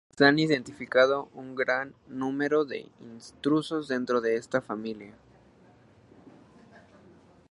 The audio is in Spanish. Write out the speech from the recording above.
Se han identificado un gran número de intrusos dentro de esta familia.